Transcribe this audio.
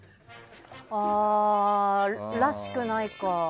ああ、らしくないか。